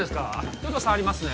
ちょっと触りますね